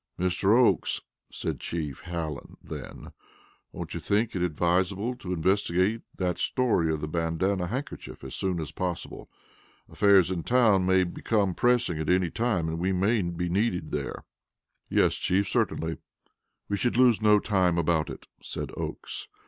"Mr. Oakes," said Chief Hallen then, "don't you think it advisable to investigate that story of the bandana handkerchief as soon as possible? Affairs in town may become pressing at any time, and we may be needed there." "Yes, Chief, certainly. We should lose no time about it," said Oakes.